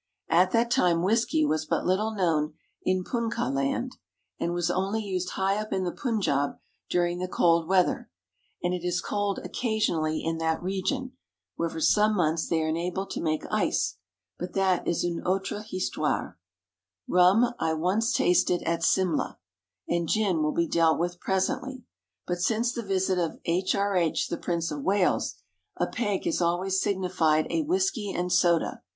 At that time whisky was but little known in Punkahland, and was only used high up in the Punjaub during the "cold weather" and it is cold occasionally in that region, where for some months they are enabled to make ice but that is une autre histoire. Rum I once tasted at Simla, and gin will be dealt with presently. But since the visit of H.R.H. the Prince of Wales, a peg has always signified a whisky and soda.